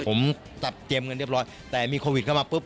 ผมจัดเตรียมเงินเรียบร้อยแต่มีโควิดเข้ามาปุ๊บ